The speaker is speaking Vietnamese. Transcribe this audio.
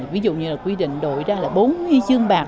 ví dụ như là quy định đổi ra là bốn huy chương bạc